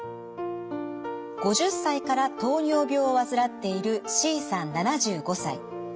５０歳から糖尿病を患っているＣさん７５歳。